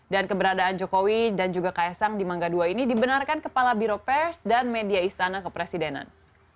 dan keberadaan jokowi dan juga ks sang di mangga dua ini dibenarkan kepala biro pers dan media istana kepresidenan